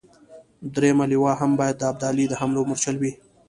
درېمه لواء هم باید د ابدالي د حملو مورچل وي.